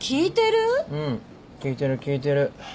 うん聞いてる聞いてる。